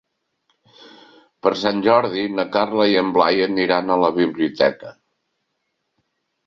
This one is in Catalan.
Per Sant Jordi na Carla i en Blai aniran a la biblioteca.